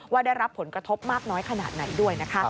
ว่าได้รับผลกระทบมากน้อยขนาดไหนด้วย